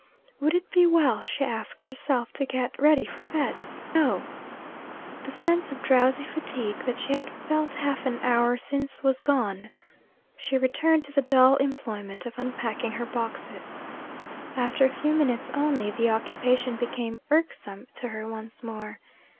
Would it be well (she asked herself) to get ready for bed? No! The sense of drowsy fatigue that she had felt half an hour since was gone. She returned to the dull employment of unpacking her boxes. After a few minutes only, the occupation became irksome to her once more.